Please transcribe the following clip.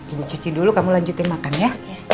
ibu cuci dulu kamu lanjutin makan ya